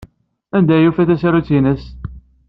Anda ay d-tufa tasarut-nnes?